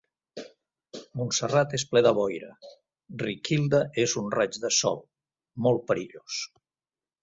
Montserrat és ple de boira: Riquilda és un raig de sol. Molt perillós...